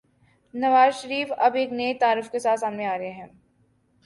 نوازشریف اب ایک نئے تعارف کے ساتھ سامنے آرہے ہیں۔